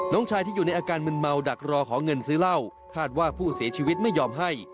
น้องชายที่อยู่ในอาการมึนเมาดักรอขอเงินซื้อเหล้าคาดว่าผู้เสียชีวิตไม่ยอมให้